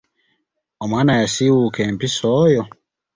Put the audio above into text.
Omwana yasiiwuuka empisa oyo.